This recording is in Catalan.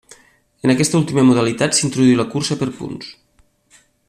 En aquesta última modalitat s'introduí la cursa per punts.